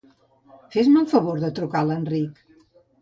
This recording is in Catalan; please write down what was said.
Fes-me el favor de trucar a l'Enric.